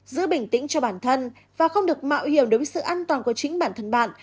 giữ bình tĩnh cho bản thân và không được mạo hiểm đối với sự an toàn của chính bản thân bạn